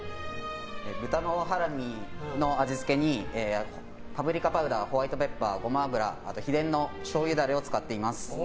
豚のハラミの味付けにパプリカパウダーホワイトペッパーゴマ油、秘伝のしょうゆダレを使っています。